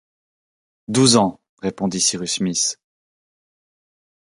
Douze ans répondit Cyrus Smith